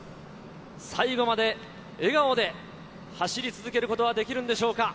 最後まで笑顔で走り続けることはできるんでしょうか。